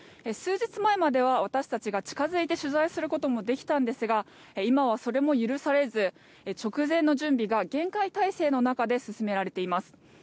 数日前までは私たちが近付いて取材することもできたんですが今はそれも許されず直前の準備が厳戒態勢の中で進められています。